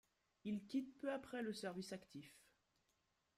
Il quitte peu après le service actif.